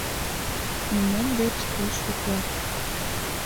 Мемнан деч пеш утлат...